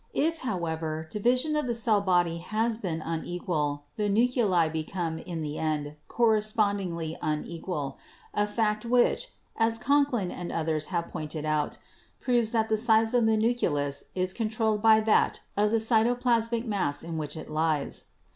If, however, division of the cell body has been unequal, the nuclei become, in the end, corres pondingly unequal, a fact which, as Conklin and others have pointed out, proves that the size of the nucleus is controlled by that of the cytoplasmic mass in which it lies.